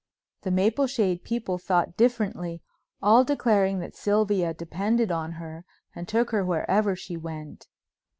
The Mapleshade people thought differently, all declaring that Sylvia depended on her and took her wherever she went.